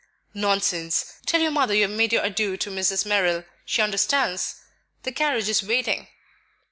"Nonsense! Tell your mother you have made your adieux to Mrs. Merrill, she understands; the carriage is waiting."